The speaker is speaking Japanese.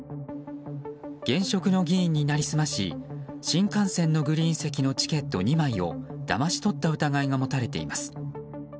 現職の議員になりすまし新幹線のグリーン席のチケット２枚をだまし取った疑いが持たれています。